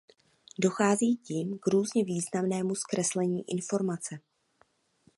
Dochází tím k různě významnému zkreslení informace.